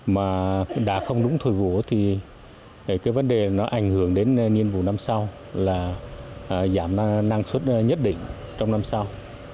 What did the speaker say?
mà cũng đã không đúng thời vụ thì cái vấn đề nó ảnh hưởng đến nhiên vụ năm sau là giảm năng suất nhất định trong năm sau